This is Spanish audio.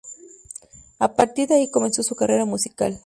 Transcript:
A partir de ahí comenzó su carrera musical.